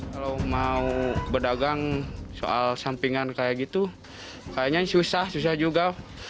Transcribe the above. kalau mau berdagang soal sampingan kayak gitu kayaknya susah susah juga